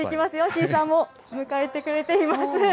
シーサーも迎えてくれています。